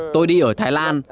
tôi đi ở thái lan